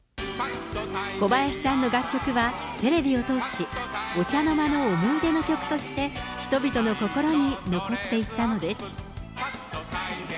小林さんの楽曲はテレビを通し、お茶の間の思い出の曲として、人々の心に残っていったのです。